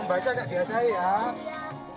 membaca enggak biasanya ya